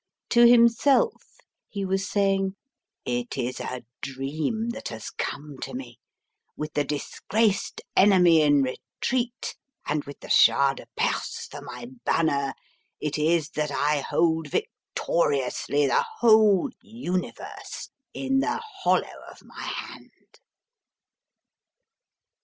To himself he was saying: "It is a dream that has come to me! With the disgraced enemy in retreat, and with the Shah de Perse for my banner, it is that I hold victoriously the whole universe in the hollow of my hand!"